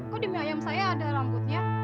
kok di mie ayam saya ada rambutnya